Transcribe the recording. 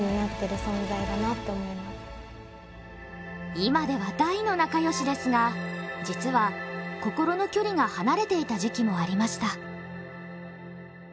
今では大の仲良しですが実は心の距離が離れていた時期もありました。